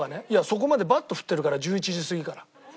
そこまでバット振ってるから１１時過ぎから。